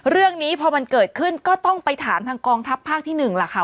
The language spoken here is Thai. เรื่องนี้พอมันเกิดขึ้นก็ต้องไปถามทางกองทัพภาคที่๑ล่ะค่ะ